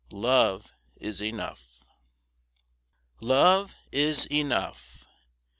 Love is enough. Love is enough.